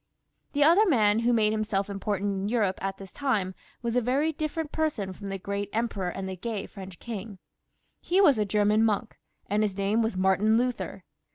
The other man who made himself important in Europe at this time was a very different person from the great emperor and the gay French king. He was a German monk, and his name was Martin Luther.